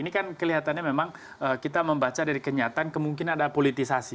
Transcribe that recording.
ini kan kelihatannya memang kita membaca dari kenyataan kemungkinan ada politisasi